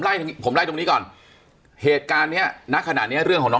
ผมไล่ตรงนี้ก่อนเหตุการณ์เนี้ยณขณะเนี้ยเรื่องของน้อง